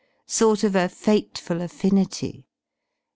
Sort of a fateful affinity.